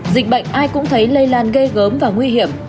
dịch bệnh ai cũng thấy lây lan ghê gớm và nguy hiểm